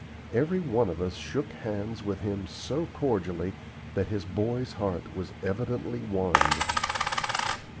Every one of us shook hands with him so cordially that his boy's heart was evidently won.